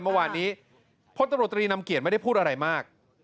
เมื่อวานนี้พลตำรวจตรีนำเกียจไม่ได้พูดอะไรมาก